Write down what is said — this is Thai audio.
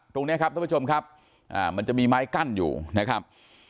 ตรงนี้ครับท่านผู้ชมครับมันจะมีไม้กั้นอยู่นะครับ